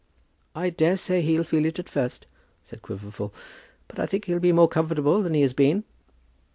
"I daresay he'll feel it at first," said Quiverful; "but I think he'll be more comfortable than he has been."